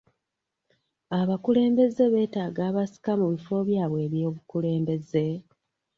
Abakulembeze beetaaga abasika mu bifo byabwe eby'obukulembeze?